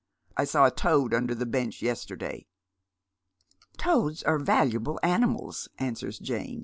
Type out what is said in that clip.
I saw a toad under the bench yesterday." "Toads are valuable animals," answers Jane.